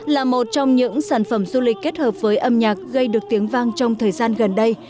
là một trong những sản phẩm du lịch kết hợp với âm nhạc gây được tiếng vang trong thời gian gần đây